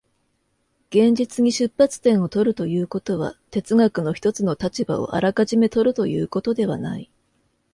現実に出発点を取るということは、哲学の一つの立場をあらかじめ取るということではない。